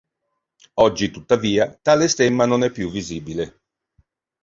Oggi tuttavia tale stemma non è più visibile.